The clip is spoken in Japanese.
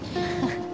ハハハ。